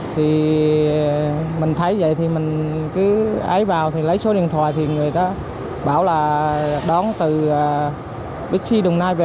thì mình thấy vậy thì mình cứ ái vào thì lấy số điện thoại thì người ta bảo là đón từ bixi đồng nai về